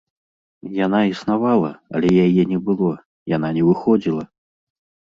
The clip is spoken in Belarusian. Яна існавала, але яе не было, яна не выходзіла.